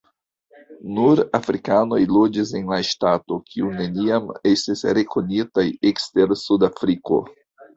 Nur afrikanoj loĝis en la ŝtato, kiu neniam estis rekonitaj ekster Sudafriko.